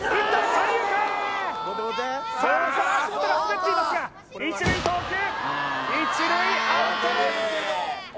３塁手あっ足元が滑っていますが１塁投球１塁アウトですあっ